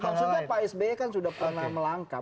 maksudnya pak sbi kan sudah pernah melangkut